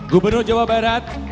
gubernur jawa barat